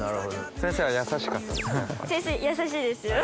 先生優しいですよ。